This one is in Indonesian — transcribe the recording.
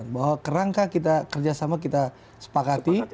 bahwa kerangka kita kerjasama kita sepakati